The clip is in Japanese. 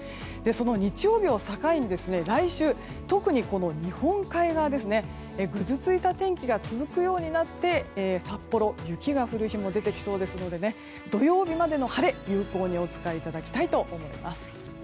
その日曜日を境に来週、特に日本海側でぐずついた天気が続くようになって札幌、雪が降る日も出てきそうですので土曜日までの晴れ有効にお使いいただきたいと思います。